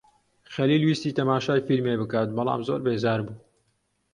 خەلیل ویستی تەماشای فیلمێک بکات بەڵام زۆر بێزار بوو.